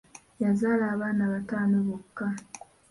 Yazaala abaana bataano bokka.